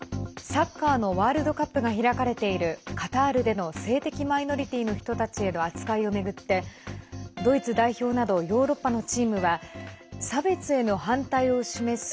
サッカーのワールドカップが開かれているカタールでの性的マイノリティーの人たちへの扱いを巡ってドイツ代表などヨーロッパのチームは差別への反対を示す